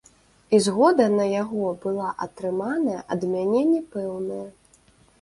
І згода на яго была атрыманая ад мяне не пэўная.